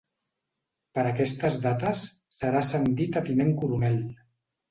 Per aquestes dates, serà ascendit a tinent coronel.